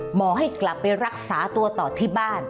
หมอให้กลับไปรักษาตัวต่อที่บ้าน